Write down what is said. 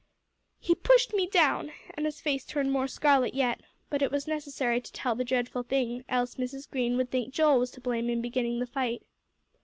"He pushed me down," and his face turned more scarlet yet. But it was necessary to tell the dreadful thing, else Mrs. Green would think Joel was to blame in beginning the fight.